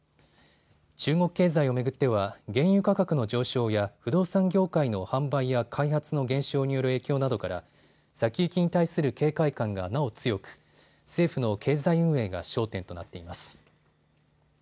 中国経済を巡っては原油価格の上昇や不動産業界の販売や開発の減少による影響などから先行きに対する警戒感がなお強く政府の経済運営が焦点となっています。